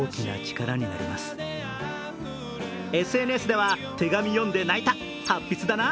ＳＮＳでは、手紙読んで泣いた達筆だな